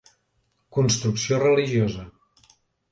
Construcció religiosa.